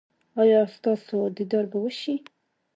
ایا ستاسو دیدار به وشي؟